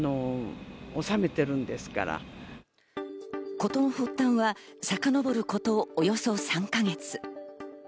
ことの発端はさかのぼること、およそ３か月。